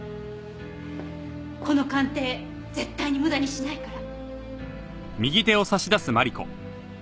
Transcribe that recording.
この鑑定絶対に無駄にしないから。